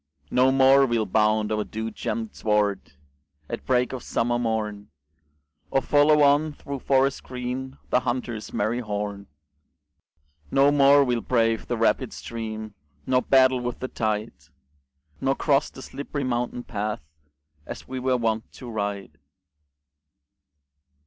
No more we'll bound o'er dew gemmed sward At break of summer morn, Or follow on, through forests green, The hunter's merry horn; No more we'll brave the rapid stream, Nor battle with the tide, Nor cross the slipp'ry mountain path, As we were wont to ride.